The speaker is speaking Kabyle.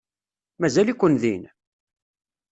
Mazal-iken din?